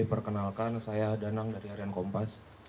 perkenalkan saya danang dari harian kompas